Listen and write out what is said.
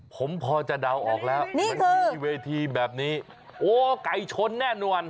ผมพอจะเดาออกแล้วมันมีเวทีแบบนี้โอ้ไก่ชนแน่นอน